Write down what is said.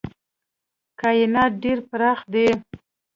کاینات ډېر پراخ دي.